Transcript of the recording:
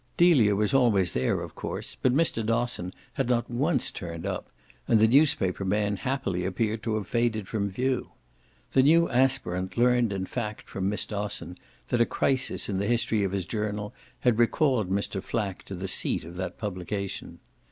Delia was always there of course, but Mr. Dosson had not once turned up and the newspaper man happily appeared to have faded from view. The new aspirant learned in fact from Miss Dosson that a crisis in the history of his journal had recalled Mr. Flack to the seat of that publication.